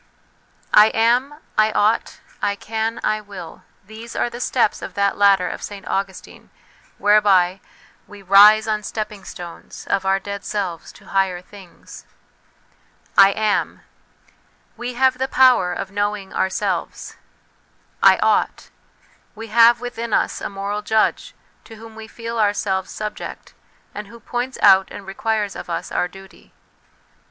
'' I am, I ought, I can, I will ' these are the steps of that ladder of St Augustine, whereby we " rise on stepping stones Of our dead selves to higher things." ' I am ' we have the power of knowing ourselves. ' I ought' we have within us a moral judge, to whom we feel ourselves subject, and who points out and requires of us our duty.